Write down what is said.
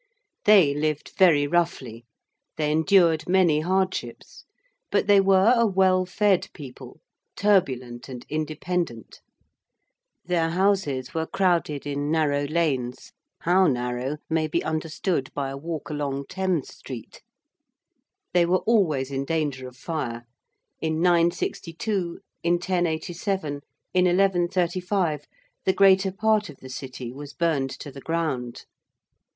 They lived very roughly: they endured many hardships: but they were a well fed people, turbulent and independent: their houses were crowded in narrow lanes how narrow may be understood by a walk along Thames Street; they were always in danger of fire in 962, in 1087, in 1135, the greater part of the City was burned to the ground.